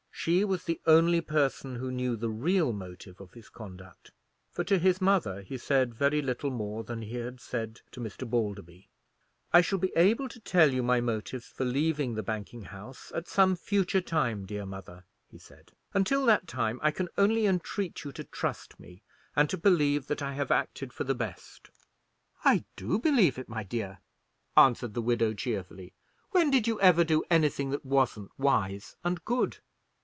She was the only person who knew the real motive of his conduct, for to his mother he said very little more than he had said to Mr. Balderby. "I shall be able to tell you my motives for leaving the banking house at some future time, dear mother," he said; "until that time I can only entreat you to trust me, and to believe that I have acted for the best." "I do believe it, my dear," answered the widow, cheerfully; "when did you ever do anything that wasn't wise and good?"